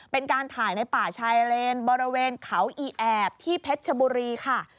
เป็นการถ่ายในป่าชายเลนบริเวณเขาอีแอบที่เพชรชบุรีค่ะ